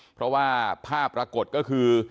เพราะว่าภาพปรากฏก็คือ